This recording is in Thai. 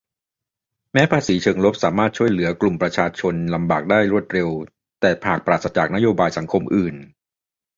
- แม้ภาษีเชิงลบสามารถช่วยเหลือกลุ่มประชากรลำบากได้รวดเร็ว แต่หากปราศจากนโยบายสังคมอื่น